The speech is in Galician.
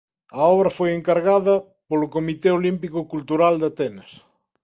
A obra foi encargada polo Comité Olímpico Cultural de Atenas.